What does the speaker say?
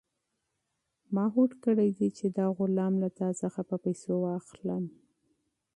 ما هوډ کړی دی چې دا غلام له تا څخه په پیسو واخلم.